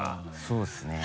そうですね。